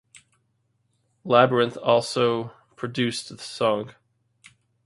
Labrinth also produced the song.